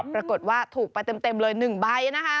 ปรากฏว่าถูกไปเต็มเลย๑ใบนะคะ